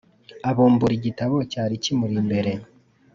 abumbura igitabo cyar kimuri imbere ati